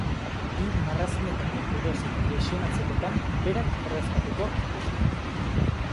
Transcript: Bi marrazinetako edozein lesionatzekotan berak ordezkatuko lituzke.